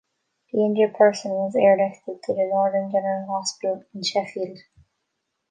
The injured person was airlifted to the Northern General Hospital in Sheffield.